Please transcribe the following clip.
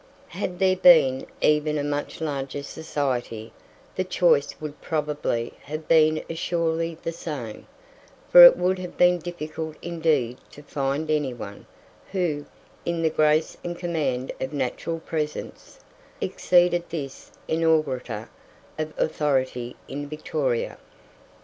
Had there been even a much larger society, the choice would probably have been as surely the same, for it would have been difficult indeed to find anyone, who, in the grace and command of natural presence, exceeded this inaugurator of authority in Victoria.